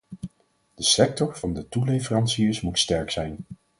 De sector van de toeleveranciers moet sterk zijn.